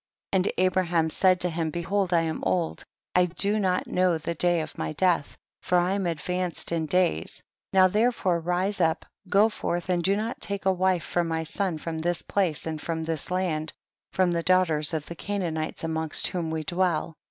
30. And Abraham said to him, behold I am old, I do not know the day of my death ; for I am advanced in days ; now therefore rise up, go forth and do not take a wife for my son from this place and from this land, from the daughters of the Canaanites amongst whom we dwell.